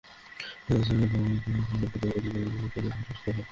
রায়ে জ্ঞাত আয়বহির্ভূত সম্পদ অর্জনের অভিযোগ থেকে তাঁকে খালাস দেওয়া হয়।